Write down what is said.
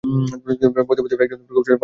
পথিমধ্যে একজন কৌশলে বন্ধনমুক্ত হয়ে যায়।